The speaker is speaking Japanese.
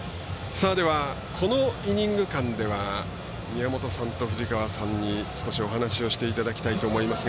このイニング間では宮本さんと藤川さんに少しお話をしていただきたいと思いますが。